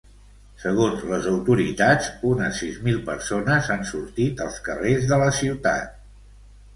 Segons les autoritats, unes sis mil persones han sortit als carrers de la ciutat.